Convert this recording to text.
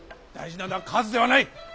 大事なのは数ではない。